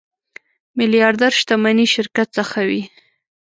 میلیاردر شتمني شرکت څخه وي.